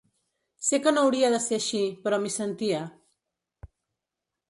Sé que no hauria de ser així, però m’hi sentia.